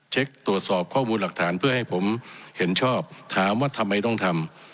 ตรวจสอบข้อมูลหลักฐานเพื่อให้ผมเห็นชอบถามว่าทำไมต้องทำ